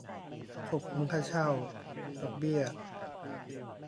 ควบคุมค่าเช่า ดอกเบี้ย